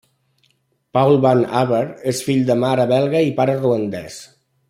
Paul Van Haver és fill de mare belga i pare ruandès.